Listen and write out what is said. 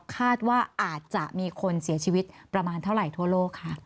คาดว่าอาจจะมีคนเสียชีวิตประมาณเท่าไหร่ทั่วโลกค่ะ